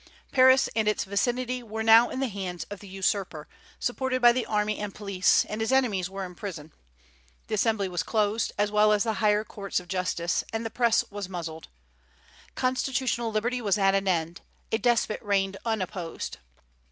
Paris and its vicinity were now in the hands of the usurper, supported by the army and police, and his enemies were in prison. The Assembly was closed, as well as the higher Courts of Justice, and the Press was muzzled. Constitutional liberty was at an end; a despot reigned unopposed.